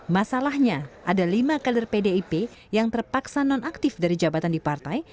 masalahnya ada lima kalir pdip yang terpaksa nonaktif dari jabatan di partai